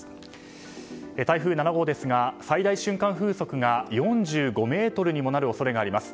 台風７号ですが最大瞬間風速が４５メートルにもなる恐れがあります。